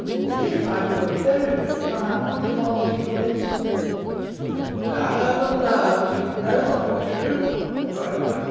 'If I were a very rich client, would you not take the risk?' 'Diamond, Diamond, you know not what you do!' cried Michael.